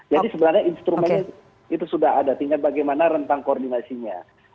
jadi sebenarnya instrumennya itu sudah ada tinggal bagaimana rentang koordinasinya